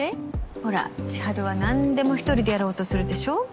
ほら千晴は何でも１人でやろうとするでしょ。